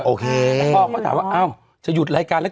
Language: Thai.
โอเคแล้วพ่อก็ถามว่าอ้าวจะหยุดรายการแล้ว